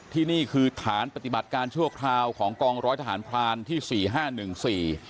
ที่นี่คือฐานปฏิบัติการชั่วคราวของกองร้อยทหารพรานที่สี่ห้าหนึ่งสี่